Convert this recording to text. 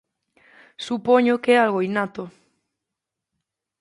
Supoño que é algo innato.